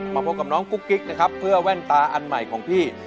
มาพบกับน้องกุ๊กกิ๊กนะครับเพื่อแว่นตาอันใหม่ของพี่